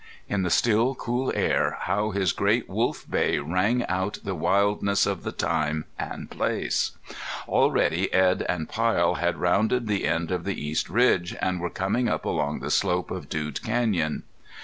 In the still cool air how his great wolf bay rang out the wildness of the time and place! Already Edd and Pyle had rounded the end of the east ridge and were coming up along the slope of Dude Canyon.